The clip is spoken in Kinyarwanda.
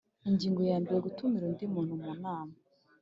Ingingo yambere Gutumira undi muntu mu nama